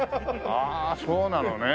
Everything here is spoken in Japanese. ああそうなのね。